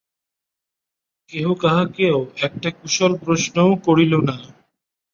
কেহ কাহাকেও একটা কুশলপ্রশ্নও করিল না।